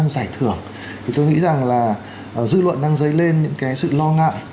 dư luận đang dấy lên những sự lo ngại